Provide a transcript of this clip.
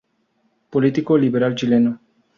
Político liberal chileno.